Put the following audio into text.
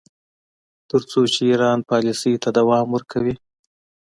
تر څو چې ایران پالیسۍ ته دوام ورکوي.